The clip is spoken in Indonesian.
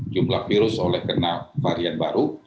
jumlah virus oleh karena varian baru